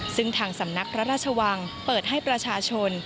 ซึ่งทางสำนักพระราชวังเปิดให้ประชาชน